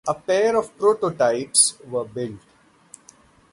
A pair of prototypes were built.